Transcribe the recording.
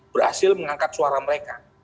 berhasil mengangkat suara mereka